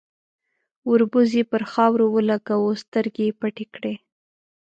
، وربوز يې پر خاورو ولګاوه، سترګې يې پټې کړې.